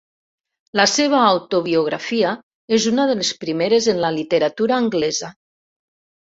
La seva autobiografia és una de les primeres en la literatura anglesa.